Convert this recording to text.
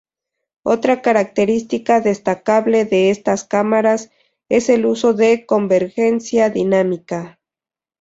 Otra característica destacable de estas cámaras, es el uso de convergencia dinámica.